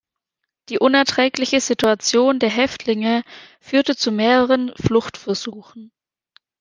Die unerträgliche Situation der Häftlinge führte zu mehreren Fluchtversuchen.